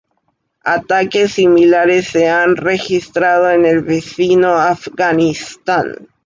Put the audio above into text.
Ataques similares se han registrado en el vecino Afganistán.